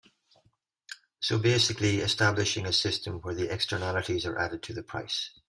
So basically establishing a system where the externalities are added to the price.